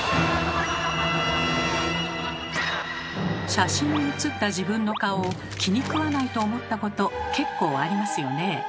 写真にうつった自分の顔を気にくわないと思ったこと結構ありますよねえ。